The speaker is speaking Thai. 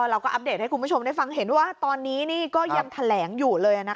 อัปเดตให้คุณผู้ชมได้ฟังเห็นว่าตอนนี้นี่ก็ยังแถลงอยู่เลย